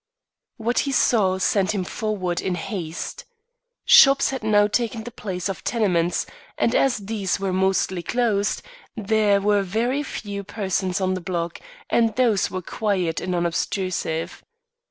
What he saw, sent him forward in haste. Shops had now taken the place of tenements, and as these were mostly closed, there were very few persons on the block, and those were quiet and unobtrusive.